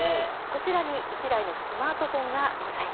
こちらに１台のスマートフォンがございます。